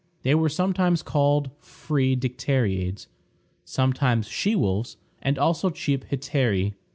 They were sometimes called free dicteriades, sometimes she wolves, and also cheap hetairæ.